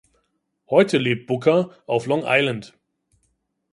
Heute lebt Booker auf Long Island.